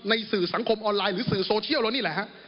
สื่อสังคมออนไลน์หรือสื่อโซเชียลเรานี่แหละฮะ